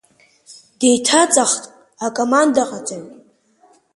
Деиҭаҵаахт акомандаҟаҵаҩ.